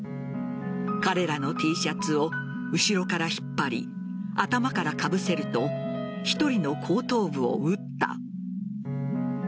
彼らのＴシャツを後ろから引っ張り頭からかぶせると１人の後頭部を撃った。